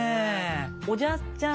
おじゃすちゃん